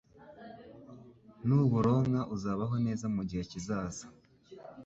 Nuburonka uzabaho neza mu gihe kizaza